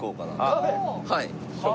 はい。